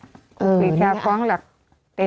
คู่พิชาฟ้องหลักเต็มไหน